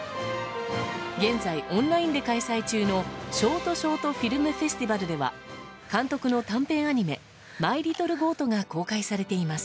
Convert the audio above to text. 現在、オンラインで開催中のショートショートフィルムフェスティバルでは監督の短編アニメ「マイリトルゴート」が公開されています。